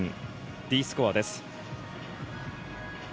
Ｄスコアです。